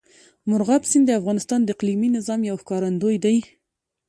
مورغاب سیند د افغانستان د اقلیمي نظام یو ښکارندوی دی.